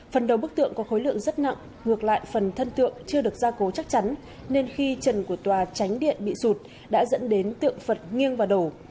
phần đầu bức tượng có khối lượng rất nặng ngược lại phần thân tượng chưa được gia cố chắc chắn nên khi trần của tòa tránh điện bị sụt đã dẫn đến tượng phật nghiêng và đổ